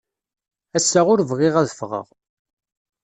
Ass-a ur bɣiɣ ad ffɣeɣ.